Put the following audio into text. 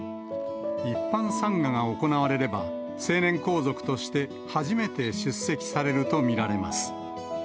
一般参賀が行われれば、成年皇族として初めて出席されると見られます。